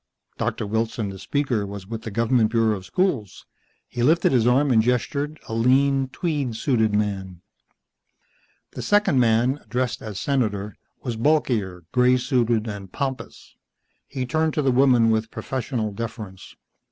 Doctor Wilson, the speaker, was with the government bureau of schools. He lifted his arm and gestured, a lean, tweed suited man. The second man, addressed as Senator, was bulkier, grey suited and pompous. He turned to the woman with professional deference.